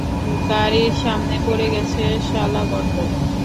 গাড়ির সামনে পড়ে গেছে, শালা গর্দভ।